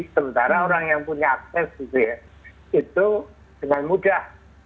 sementara orang yang punya akses itu dengan mudah